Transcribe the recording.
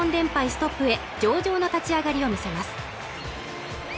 ストップへ上々な立ち上がりを見せます